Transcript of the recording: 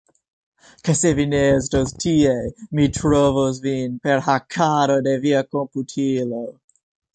Kaj se vi ne estos tie mi trovos vin per hakado de via komputilo